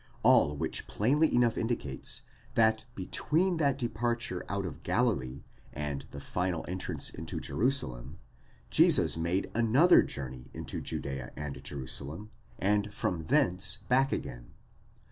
all which plainly enough indicates, that between that departure out of Galilee, and the final entrance into Jerusalem, Jesus made another journey to Judea and Jerusalem, and from thence back again.